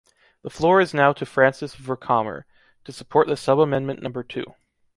The floor is now to Francis Vercamer, to support the sub-amendment number two.